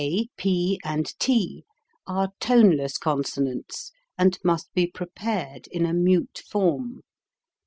CONSONANTS 289 K, p, and t are toneless consonants and must be prepared in a mute form.